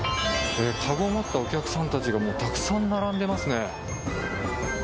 かごを持ったお客さんたちがたくさん並んでますね。